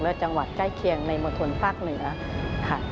และจังหวัดใกล้เคียงในมณฑลภาคเหนือค่ะ